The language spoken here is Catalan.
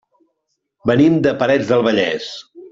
Venim de Parets del Vallès.